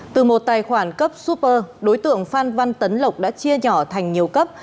từ một tài khoản cấp super đối tượng phan văn tấn lộc đã chia nhỏ thành nhiều cấp